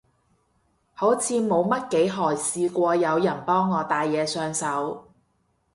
好似冇乜幾可試過有人幫我戴嘢上手